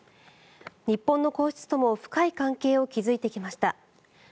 日本の皇室とも深い関係を築いてきました。